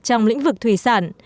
trong lĩnh vực thủy sản